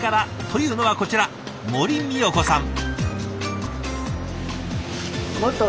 というのはこちら森みよ子さん。